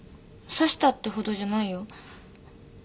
刺したってほどじゃないよ。